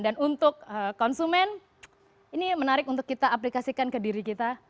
dan untuk konsumen ini menarik untuk kita aplikasikan ke diri kita